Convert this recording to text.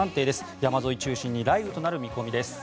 山沿いを中心に雷雨となる見込みです。